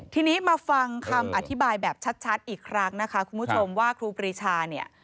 ทีนี้มาฟังคำอธิบายแบบชัดอีกครั้งนะคะคุณผู้ชมว่าครูปรีชาเนี่ย